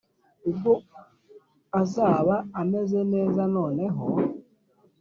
ubwo azaba ameze neza Noneho